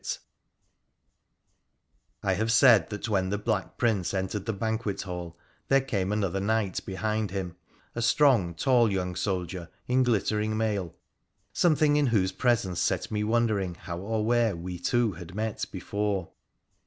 PHRA THE FHCENICIAN 1S5 I have said that when the Black Prince entered the banquet hall there came another knight behind him, a strong, tall young soldier in glittering mail, something in whose pre sence set me wondering how or where we two had met before.